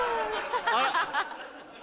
ハハハ！